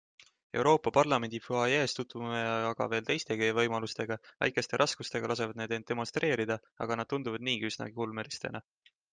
Euroopa parlamendi fuajees tutvume aga veel teistegi võimalustega, väikeste raskustega lasevad need end demonstreerida, aga nad tunduvad niigi üsnagi ulmelistena.